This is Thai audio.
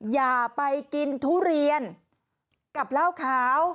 อย่าไปกินทุเรียนกับเหล้าขาว